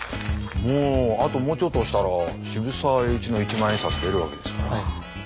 もうあともうちょっとしたら渋沢栄一の一万円札出るわけですからね。